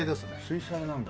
水彩なんだ。